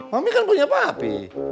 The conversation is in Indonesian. mami kan punya papi